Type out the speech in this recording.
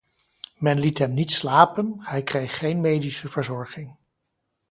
Men liet hem niet slapen, hij kreeg geen medische verzorging.